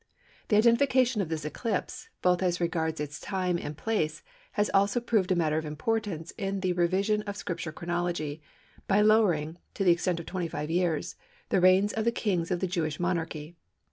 The identification of this eclipse, both as regards its time and place, has also proved a matter of importance in the revision of Scripture chronology, by lowering, to the extent of 25 years, the reigns of the kings of the Jewish monarchy.